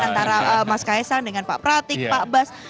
antara mas kaisang dengan pak pratik pak bas